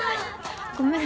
ごめん。